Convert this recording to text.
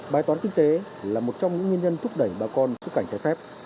bài toán kinh tế là một trong những nguyên nhân thúc đẩy bà con xuất cảnh trái phép